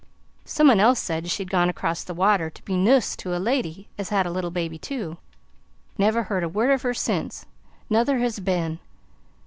Some un else said she'd gone across the water to be nuss to a lady as had a little baby, too. Never heard a word of her since nuther has Ben.